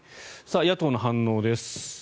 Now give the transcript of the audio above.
野党の反応です。